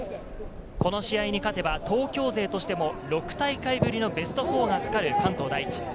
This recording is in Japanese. この試合に勝てば東京勢としても６大会ぶりのベスト４がかかる関東第一。